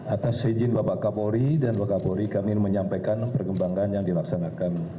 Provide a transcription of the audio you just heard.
atas izin bapak kapolri dan bapak kapolri kami menyampaikan perkembangan yang dilaksanakan